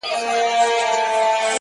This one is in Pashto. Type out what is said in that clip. هوښیار فکر له بیړې لرې وي!